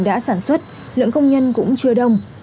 đã sản xuất lượng công nhân cũng chưa đông